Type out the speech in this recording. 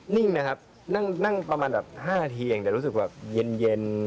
นิ่งนะครับนั่งประมาณแบบ๕นาทีเองแต่รู้สึกแบบเย็น